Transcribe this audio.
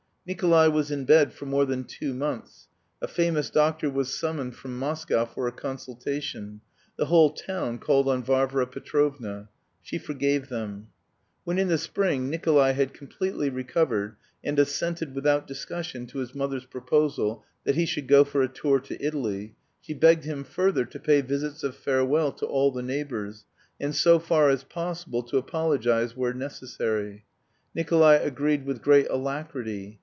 Nikolay was in bed for more than two months. A famous doctor was summoned from Moscow for a consultation; the whole town called on Varvara Petrovna. She forgave them. When in the spring Nikolay had completely recovered and assented without discussion to his mother's proposal that he should go for a tour to Italy, she begged him further to pay visits of farewell to all the neighbours, and so far as possible to apologise where necessary. Nikolay agreed with great alacrity.